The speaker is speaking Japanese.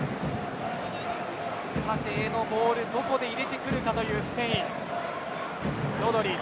縦へのボールをどこで入れてくるかというスペイン。